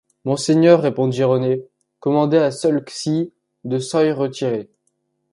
Mon seigneur, respondit René, commandez à ceulx-cy de soy retirer.